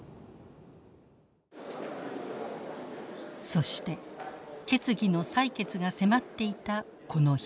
そして決議の採決が迫っていたこの日。